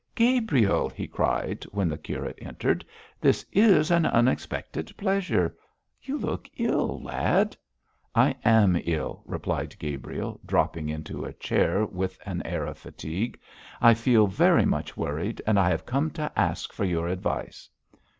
Gabriel,' he cried, when the curate entered, 'this is an unexpected pleasure. You look ill, lad!' 'I am ill,' replied Gabriel, dropping into a chair with an air of fatigue. 'I feel very much worried, and I have come to ask for your advice.'